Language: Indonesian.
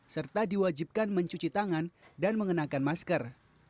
serta diwajibkan mencuci tangan dan mengenakan masker